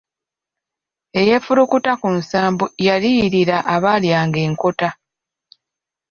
Eyeefulukuta mu nsambu yaliyirira abaalyanga enkota.